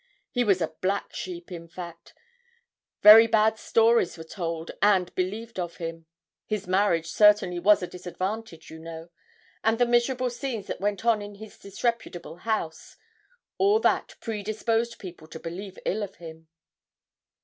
He was a black sheep, in fact. Very bad stories were told and believed of him. His marriage certainly was a disadvantage, you know, and the miserable scenes that went on in his disreputable house all that predisposed people to believe ill of him.'